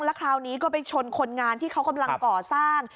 แล้วคราวนี้ก็ไปชนคนงานที่เขากำลังก่อสร้าง